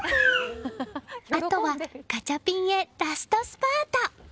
あとは、ガチャピンへラストスパート。